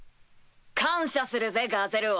感謝するぜガゼル王